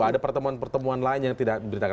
bahwa ada pertemuan pertemuan lain yang tidak diberitakan